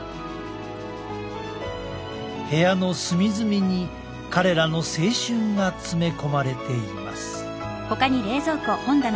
部屋の隅々に彼らの青春が詰め込まれています。